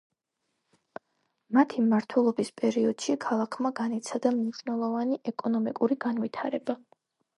მათი მმართველობის პერიოდში ქალაქმა განიცადა მნიშვნელოვანი ეკონომიკური განვითარება.